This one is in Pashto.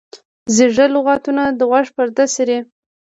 زیږه لغتونه د غوږ پرده څیري.